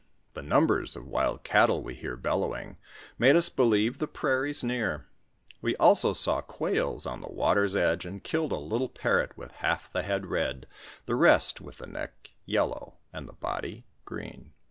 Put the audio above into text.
The numbers of wild cattle we heard bellowing, made us believe the prairies near. We also saw quails on the water's edge, and killed a little parrot with half the head red, the rest, with the neck, yellow, and the body green.